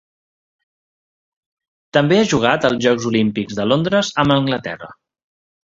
També ha jugat els Jocs Olímpics de Londres amb Anglaterra.